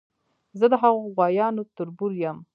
زه د هغو غوایانو تربور یم.